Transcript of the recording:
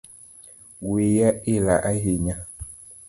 Wiya ila ahinya